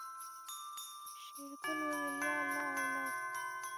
شېرګل وويل يا الله او ولاړ.